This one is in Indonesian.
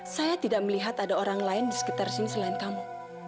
saya tidak melihat ada orang lain di sekitar sini selain kamu